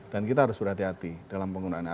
dan kita harus berhati hati dalam penggunaannya